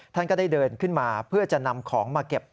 ท่านก็ได้เดินขึ้นมาเพื่อจะนำของมาเก็บ